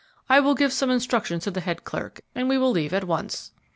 I will give some instructions to the head clerk, and we will leave at once."